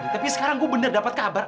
tapi sekarang gue bener dapat kabar